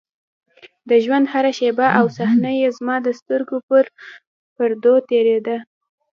د ژونـد هـره شـيبه او صحـنه يـې زمـا د سـترګو پـر پـردو تېـرېده.